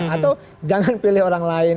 atau jangan pilih orang lain